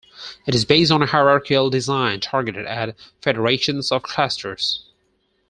It is based on a hierarchical design targeted at federations of clusters.